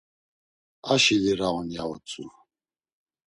Aşi lira on, ya utzu.